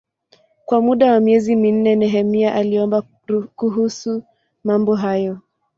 Kwa muda wa miezi minne Nehemia aliomba kuhusu mambo hayo.